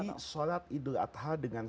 jadi slot idul adha dengan